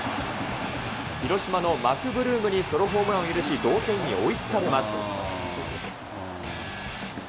広島のマクブルームにソロホームランを許し、同点に追いつかれます。